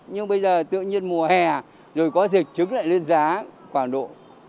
nhưng bây giờ tự nhiên mùa hè rồi có dịch trứng lại lên giá khoảng độ hai mươi một mươi năm hai mươi